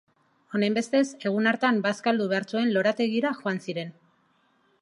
Honenbestez, egun hartan bazkaldu behar zuten lorategira joan ziren.